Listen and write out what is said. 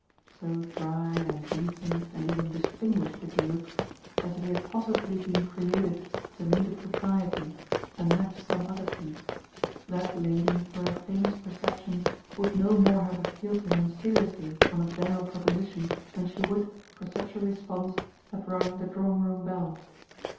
So dry and decent and even distinguished did he look, as if he had positively been created to meet a propriety and match some other piece, that lady, with her famous perceptions, would no more have appealed to him seriously on a general proposition than she would, for such a response, have rung the drawing room bell.